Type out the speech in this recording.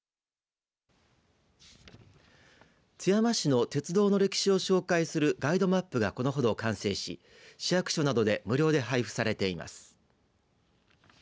津山市の鉄道の歴史を紹介するガイドマップがこのほど完成し、市役所などで無料で配布されています。